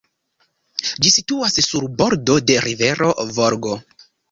Ĝi situas sur bordo de rivero Volgo.